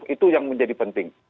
itu yang menjadi penting